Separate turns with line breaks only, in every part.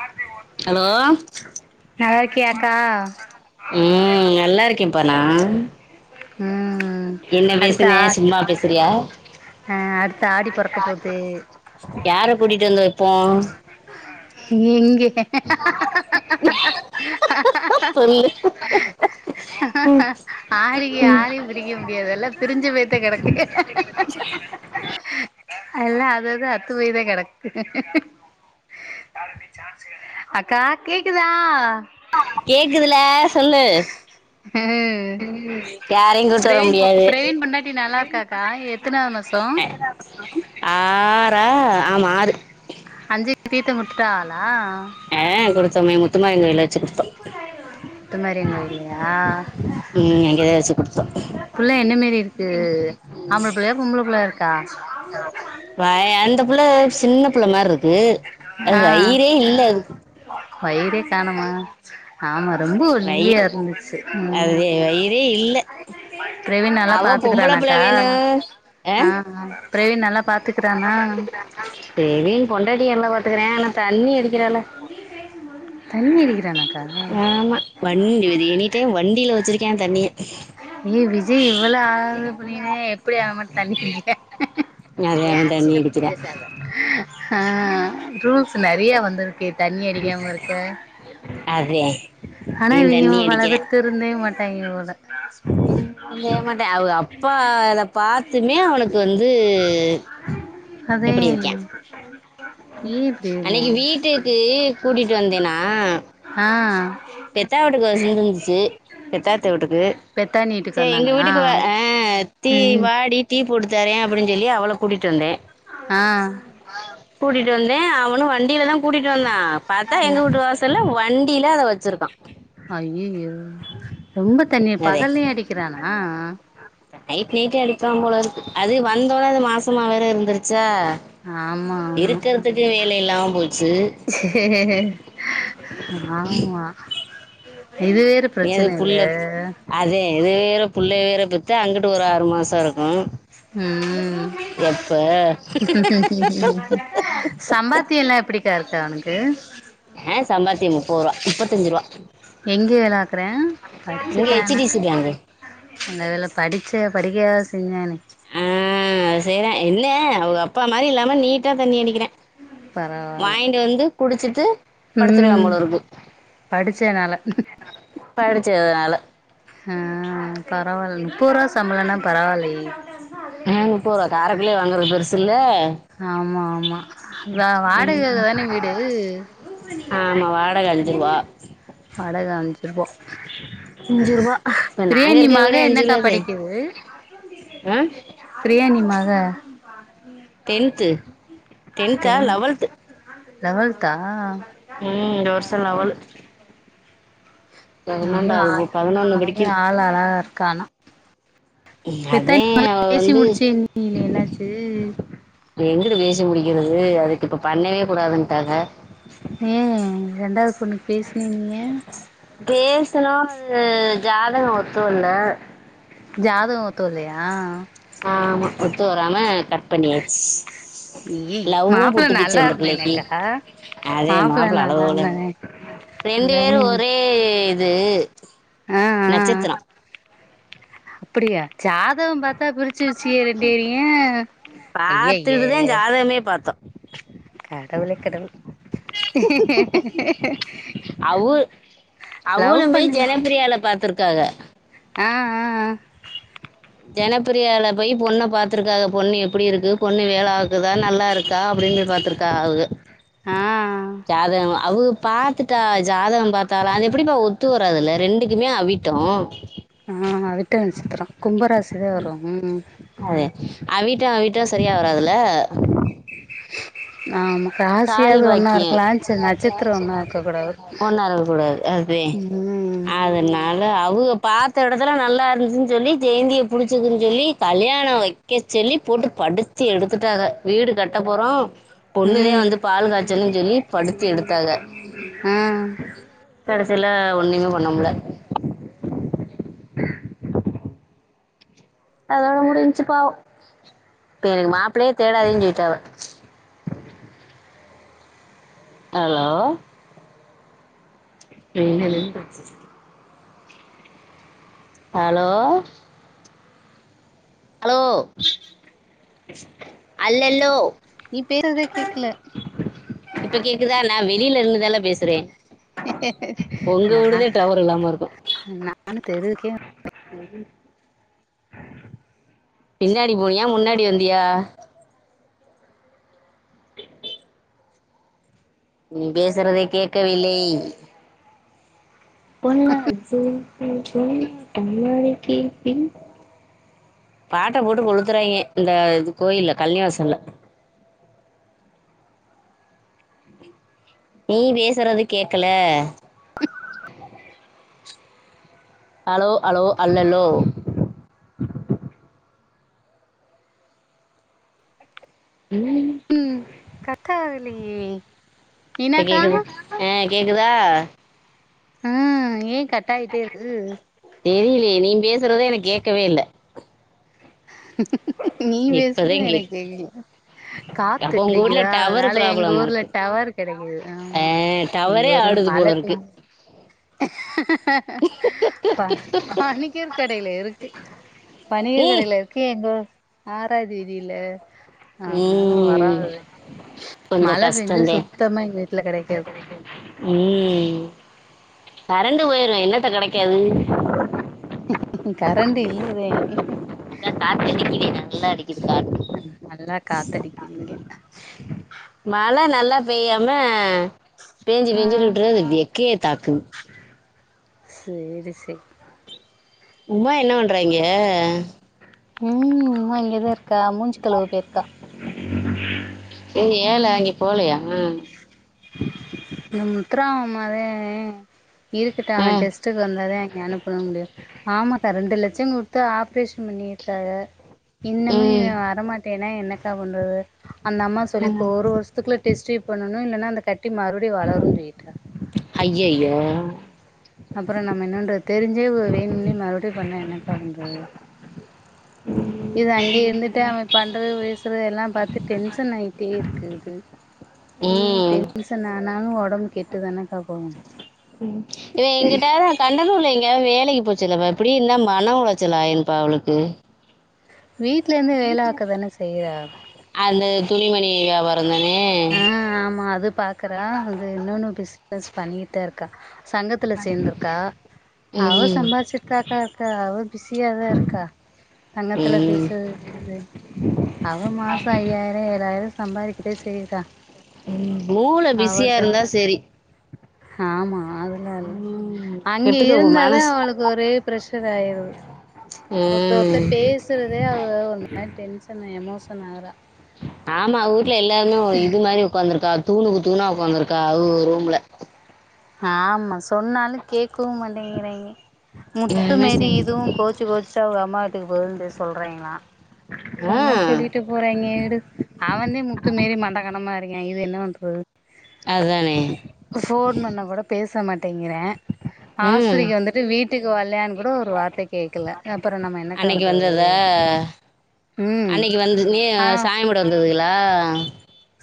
ஆஹ
ஹலோ
நல்லா இருக்கியாக்கா
ம் நல்லாருக்கே பனா
ம்
என்ன
அடுத்த
பேசுனே
ஆ
சும்மா பேசுறியா
அ அடுத்த ஆடி பொறக்க போது
யார கூட்டிட்டு வந்து வெப்போ
எங்கே
சொல்லு
ஆஹஹ ஆடிக்கு யாரயு பிரிக்க முடியாதல்ல பிரிஞ்சு போய்தா கெடக்கு அல்ல அதது அத்து போய்தா கெடக்கு அக்கா கேக்குதா
கேக்குதல சொல்லு
ம்
யாரையுங் கூட்டு வர
பிரவீன்
முடியாது
பிரவீன் பொண்டாட்டி நல்லா இருக்காக்கா எத்தனாவது மாசோ
ஆறா ஆமா ஆறு
அஞ்சுக்கு தீத்தோ குடுத்துட்டாகளா
ஆ குடுத்தோமே முத்துமாரியம்மன் கோயில்ல வெச்சு குடுத்தோ
முத்து மாரியம்மன் கோயில்லயா
ம் அங்கேதா வெச்சு குடுத்தோ
தூ ஆம்பள புள்ளயா பொம்பள புள்ள இருக்கா
வ அந்த புள்ள சின்ன புள்ள மாரி இருக்கு அது வயிரே இல்ல அதுக்கு
வயிரே காணமா ஆமா ரொம்ப ஒல்லியா இருந்துச்சு ம்
அதே வயிறே இல்ல
பிரவீன் நல்லா
அவ பொம்பள பிள்ள
பாத்துக்கறானாக்கா
வேணு அ
ஆ பிரவீன் நல்லா பாத்துக்கறானா
செரி பொண்டாட்டிய நல்லா பாத்துக்குறே ஆனா தண்ணி அடி க்கிறாள
தண்ணி அடிக்கிறானாக்கா
ஆமா வண்டி எனி டைம் வண்டியில வச்சிருக்கியா தண்ணிய
அய்ய விஜய் இவ்வள ஆது பண்ணனு எப்படி அவன் மட்டு தண்ணி குடிக்கிற
அதே
ஏ
அவன் தண்ணி
அரசியல பத்தி
அடிக்கிறான்
பேசாத ஆ ரூல்ஸ் நெறைய வந்திருக்கு தண்ணி அடிக்காம இருக்க
அதே
ஆனா
இவன்
இவிங்க பல பேர் திருந்தவே மாட்டாங்கே போல
ருந்தவே மாட்டே அவுக அப்பா இத பாத்துமே அவனுக்கு வந்து
அதே
எப்படி இருக்கேன்
ஏ இப்டி இருக்கியா
ஏ கூட்டிட்டு வந்தேனா
ஆ
பெத்தா வீட்டுக்கு வ இருந்துச்சு பெத்தாத்த வீட்டுக்கு
பெத்தானி வீட்டுக்கு
செரி எங்க
வந்தானா
வீட்டுக்கு வ ஆ தி
ம்
வாடி தரே அப்படின்னு சொல்லி அவள கூட்டிட்டு வந்தே
ஆ
கூட்டிட்டு வந்தே அவனு வண்டிலதா கூட்டிட்டு வந்தா பாத்தா எங்க வீட்டு வாசல்ல வண்டியில அத வச்சிருக்
ஐயயோ ரொம்ப தண்ணி
அதே
பகல்லயே அடிக்கிறானா
நைட் நைட்டே அடிப்பா போலருக்கு அது வந்தோனே அது மாசமா வேற இருந்துருச் சா
ஆமா ஆமா
இருக்குறதுக்கு வேலை இல்லாம போச்சு
ஆமா இது வேற
அது
பிரச்சன இல்ல
புள்ள அதே இது வேற புள்ளய வேற பெத்து அங்குட்டு ஒரு ஆறு மாச இருக்கு
ம் சம்பாத்தியல்லா எப்படிக்கா இருக்கு அவனுக்கு
ஆ சம்பாத்தியோ முப்பது ரூவா முப்பத்தஞ்சு ரூவா
எங்க வேலைவாக்குறியா
இங்க
படிச்சுட்டா ஆனா
ஹெச்டிசி பேங்க்
நல்ல வேலை படிச்ச படிக்கவாது செஞ்சானே
ஆ செய்றா என்ன அவுக அப்பா மாரி இல்லாம நீட்டா தண்ணி அடிக்கிறா
பரவால்ல
குடிச்சிட்டு படுத்துருவியாம் போல இருக்கு
படிச்சேனால
படிச்சதுனால
ஹ பரவால்ல முப்பது ரூவா சம்பளம்னா பரவால்லையே
துல்ல
ஆமா ஆமா வாடகை தானே வீடு
ஆமா வாடக அஞ்சுருவா
ருப்போ
இப்போ
பிரியா
நாங்கள்
நீ
இருக்க
மக
வீடே அஞ்சு
என்னக்கா
ரூபாதே
படிக்குது
ஆ
பிரியா நீ மக
டென்த்து டென்த்தா லெவல்த்து
லவல்த்தா
ம் இந்த வர்ஷோ லெவலு
அவ
பதினொன்றாவது போ
ஆள்
பதினொன்று
அவ
படிக்குது
ஆள் அழகா இருக்கா அனா இப்பத்தா
அதே
நீ எல்லா
அவ
பேசி
வந்து
முடிச்சேனீகளே என்னாச்சு
எங்குட்டு பேசி முடிக்கிறது அதுக்கு இப்ப பண்ணவே கூடாதுன்ட்டாங்க
ஏ ரெண்டாவது பொண்ணுக்கு பேசினேனீங்க
பேசணும் அது ஜாதக ஒத்து வர்ல
ஜாதக ஒத்து வர்லையா
ஆமா ஒத்து வராம கட் பண்ணியாச்சு
ஏய்
லவ்வும்
மாப்பிள்ள
புட்டுகிச்சு
நல்லா
அந்த பிள்ளைக்கு
இருந்தானேக்கா
அதே
மாப்பிள்ள
மாப்ள அழகு
நல்லா
போல
இருந்தானே
ரெண்டு பேரு
அதானே
ஒரே இது
ஆ ஆ
நட்சத்திறோ
அப்படியா ஜாதக பாத் தா பிரிச்சு வச்சிக ரெண்டு பேரையு ஐயயே
பார்த்துட்டு தான் ஜாதகமே பார்த்தோம்.
கடவுளே கடவு
அவ்வு
லவ்
அவ்லுமே
பண்ணுங்க
ஜனபிரியால பாத்துருக்காக
ஆ அ அ
ஜனப்பிரியால போய் பொண்ண பாத்துருக்காக பொண்ணு எப்டிருக்கு பொண்ணு வேல பாக்குதா நல்லா இருக்கா அப்டின்னு பாத்துருக்காக அவுக
ஆ
ஜாதகம் அவுக பாத்துட்டாக ஜாதகம் பாத்தாலா அது எப்படிப்பா ஒத்து வராதுல்ல ரெண்டுக்குமே அவிட்டோ
ஆ அவிட்ட நச்சத்திறோ கும்பராசிதா வரு ம்
அவிட்டோ அவிட்டோ சரியா வராதுல
ஆமா
தாலி
ராசியாவது ஒன்னா
பாக்கிய
இருக்கலா சரி நட்சத்திரம் ஒன்னா இருக்க கூடாது
ஒன்னா இருக்க கூடாது அதே
ம்
அதுனால அவுக பாத்த இடத்துலா நல்லா இருந்துச்சுனு சொல்லி ஜெயந்திய புடுச்சுகுன்னு சொல்லி கல்யாணோ வைக்க சொல்லி போட்டுப் பா படுத்தி எடுத்துட்டாக வீடு கட்டப்போறோ
ம்
பால் காய்ச்சனு சொல்லி படுத்தி எடுத்தாக
ஆ
கடசில ஒன்னுமே பண்ணமுல்ல அதா முடுஞ்சு பாவோ இப்ப எனகு மாப்ளயே தேடாதேன்னு சொல்டாவ
அ [inaudible]
அலோ [unintelligible] அலோ அலோ அல்லல்லோ
நீ பேசுறதே கேக்கல
இப்ப கேக்குதா நா வெ வெளில நின்னுதால பேசுறே உங்க ஊடுதே டவர் இல்லாம இருக்கு
நா தெருவுக்கே
[unintelligible] பின்னாடி போனியா முன்னாடி வந்தியா நீ பேசறதே கேட்கவில்லே பொல்லாத சிறுக்கி பொல்லாத நறுக்கி பின்னால பாட்ட போட்டு கொளுத்துறாய்ங்க இந்த இது கோயில்ல கல்யாசல்ல நீ பேசுறது கேக்கல அலோ அலோ அல்லல்லோ ம்
தாலியே
இப்ப கேக்குது ஆ கேக்குதா
ஆ ஏ கட்டாய்யிட்டே இருக்கு
பேசுறது எனக்கு கேக்கவே இல்ல
நீ பேசுறது
கேக்
எனக்கேக்கல
அப்போ உங்க ஊர்ல
காத்தடிக்குதா
டவர்
அதனால எங்க
ப்ராப்ளமா
ஊர்ல
இருக்கு
டவர் கெடைக்கது
ஆ
ஆமா எங்க
டவரே
ஊர்ல
ஆடுது
மழ
போல இருக்கு
பெஞ் பா பணிகர் கடேல இருக்கு பனியர்
ம்
கடைல இருக்கே எங்க ஆறாது வீதில அதுனால
ம்
வராதே
கொஞ்சோ
மழ பெஞ்சா
கஷ்டந்தே
சுத்தமா எங்க வீட்டுல கெடைக்காது
உம் கறண்டு போயிரு என்னத்த கெடைக்காது
கரண்டு இல்லதே
அதா காத்தடிக்குதே நல்லா அடி
ம் நல்லா காத்தடிக்கிதிங்க
மழ நல்லா பேயாம பேஞ்சு
ஆ
பேஞ்சுட் வுடறது வெக்கைய தாக்குது
சேரி செரி
உமா என்ன பண்றா இங்க
ம் உமா இங்கதா இருக்கா மூஞ்சி கழுவ போயிருக்கா
இங்க ஏல இங்க போலையா
இந்த முத்ரா அவுங்கம்மாதே இருக்கட்டு அவ
ஆ
டெஸ்ட்டுக்கு வந்ததெ நா என்ன பண்ண முடியு ஆமாக்கா ரெண்டு லட்ச குடுத்து ஆப்ரேஷன் பண்ணிருக்காக இன்னமு
ம்
இவ வரமாட்டேனா என்னக்கா பண்றது அந்த அம்மா சொல்லி இப்போ ஒரு வருஷத்துக்குல டெஸ்ட்யூப் பண்ணணு இல்லனா அந்த கட்டி மறுவுடி வளருன் சொல்லிட்டாக
ஹையயோ
அப்ற நம்ம என்னன்றது தெரிஞ்சே வேணும்னே மறுபடியு பண்ணா என்னக்கா பண்றது [inaudible] இது அங்கே இருந்துட்டு அவ பண்றது பேசறது எல்லா பாத்து டென்ஷன் ஆயிட்டே இருக்கு இது ம் டென்ஷன் ஆனாலு ஒடம்பு கெட்டுதான
ம் இவ எங்கிட்ட கண்டது லை ஏதாது வேலைக்கு போச் சொல்லு அவ இப்டியே இருந்தா மன உளைச்சல் ஆயிரும்ப்பா அவுளுக்கு
வீட்ல இருந்து வேல பாக்க தான செய்றா
அந்த துணிமணி வியாபார
அ ஆமா அது பாக்குறா அது இன்னொனு பிசினஸ் பண்ணிட்தா இருக்கா சங்கத்துல சேந்துருக்கா அவ
ம்
சம்பாரிச்சுட்டு தாக்கா இருக்கா அவ பிஸியா தா இருக்கா சங்கத்துல
ம்
பேசறதுல இருந்து அவ மாச ஐயாயிர ஏழாயிர சம்பாரிக்கிதா செய்றா
ம் மூள பிஸியா இருந்தா செரி
ஹாமா அதுலா இல்ல
ம்
அங்கே
கெட்டுக்க
இருந்தாதா
மனசு
அவுளுக்கு ஒரே பிரஷர் ஆயிருது ஒருத்த ஒருத்தர்
ம்
பேசறதே அவ ஒரு மாரி டென்ஷன் எமோஷன் ஆகறா
ஆமா அவ வூட்ல எல்லாருமே ஒரு இது மாரி உக்காந்திருக்கா தூணுக்கு தூணா உக்காந்துருக்கா அவுகவுக ரூம்ல
ஹாமா சொன்னாலும் கேட்கவும் மாட்டேங்கிறாய்ங்க முத்து
எல்லாமே
மாரி இதுவு
சேந்து
கோவிச்சு கோவிச்சிட்டு அவுக அம்மா வீட்டுக்கு போகுதுன் பே சொல்றாய்ங்ளா
ஆ
சொன்னா சொல்லிட்டு போறாய்ங்க விடு அவந்தே முத்து மாரி மண்ட கனமா இருக்கே இது என்ன பண்றது
அதானே
ஃபோன் பண்ணா கூட பேச மாட்டேங்கிறே
ம்
ஆஸ்பித்ரிக்கு வந்துட்டு வீட்டுக்கு வல்லையான் கூட ஒரு வார்த்த கேக்கல அப்பற நம்ம என்னக்கா பண்றது
அ
ம்
அன்னக்கி வந்தொன்யு
ஆ
சாமி கும்பிட வந்துதுகளா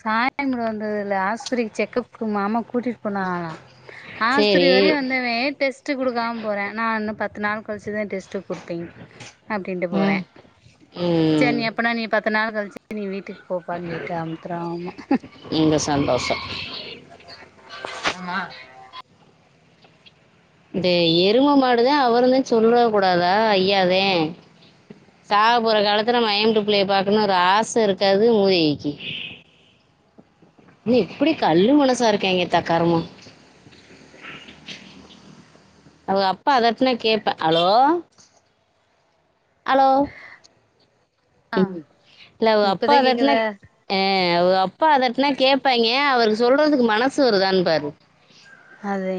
சாமி கும்பட வந்ததில்ல ஆஸ்பித்ரிக்கு செக்கப்க்கு மாமா கூட்டிட் போனாகளா ஆஸ்பித்திரி
சேரி
வரையு வந்தவெ டெஸ்ட்டு குடுக்காம போறே நா இன்னு பத்து நாள் கழிச்சுதா டெஸ்ட்டுக் குடுப்பேன் அப்டின்ட்டு போறே
ம் ம்
செரி நீ எப்படா நீ பத் து நாள் கழிச்சு நீ வீட்டுக்கு போப்பான் போய்ட்டா
இங்க சந்தோஷம்
ஆமா
இந்த எரும மாடுதா அவுருனு சொல்ற கூடாதா ஐயாதே சாகப்போற காலத்துல மகெ வூட்டு புள்ளைய பாக்கணுன் ஒரு ஆச இருக்காது மூதேவிக்கு என்ன இப்பிடி கல்லு மனசா இருக்காய்ங்கத்தா கருமொ அவுக அப்பா அதட்னா கேப்ப அலோ அலோ
ஆ
இல்ல அவுக அப்பா
இப்பதா
அதட்னா
கேக்குதா
அ அவுக அப்பா அதட்னா கேப் ப்பாய்ங்க அவருக்கு சொல்றதுக்கு மனசு வருதான்னு பாரு
அதே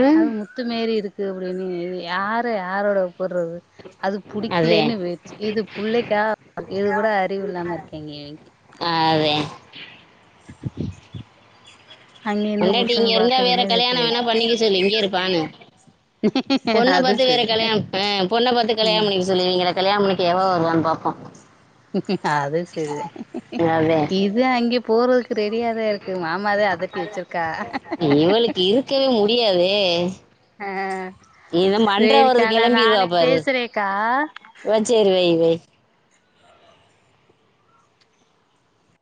ம்
அது முத்து மேரி இருக்கு அப்படின்னு யார யாரோட ஒப் புட்றது அது
அதே
புடிக்லேன்னு போய்ச்சி இது புள்ளைக்காக இது கூட அறிவு இல்லாம இருக்காய்ங்க தேங்க்யூ
அதே
அங்கேருந்து
பொண்டாட்டி இங்க
புருஷன
இருந்தா வேற
பாத்துக்கணு
கல்யாணம்
இது
வேணா பண்ணிக்க சொல்லு இங்கேயே இருப்பான்னு பொண்ண
அது
பாத்து வேற
சரி
கல்யாணம் அ பொண்ண பாத்து கல்யாணம்
ம்
பண்ணி வைக்க சொல்லு இவீங்கல கல்யாணம் பண்ணிக்க எவ வருவான்னு பாப்போ
அது சேரி தா
அதே
இது அங்கே போறதுக்கு ரெடியாதா இருக்கு மாமாதா அதட்டி வச்சிருக்கா
இவளுக்கு இருக்கவே முடியாதே
அ
வருது
சேரிக்கா நா
கிளம்பிடுவா
நாளைக்கு
பாரு
பேசுறேக்கா
இவ சரி வை வை